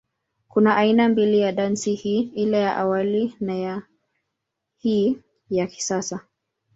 Kuna aina mbili ya dansi hii, ile ya awali na ya hii ya kisasa.